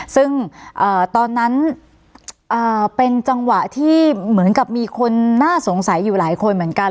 ซึ่งตอนนั้นเป็นจังหวะที่เหมือนกับมีคนน่าสงสัยอยู่หลายคนเหมือนกัน